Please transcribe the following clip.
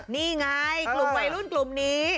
นี่ไงกลุ่มวัยรุ่นกลุ่มนี้